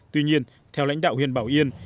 tuy nhiên theo lãnh đạo huyện bảo yên